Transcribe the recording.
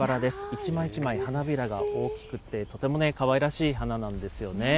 一枚一枚花びらが大きくて、とてもね、かわいらしい花なんですよね。